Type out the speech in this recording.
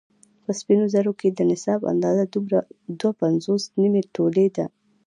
په سپينو زرو کې د نصاب اندازه دوه پنځوس نيمې تولې ده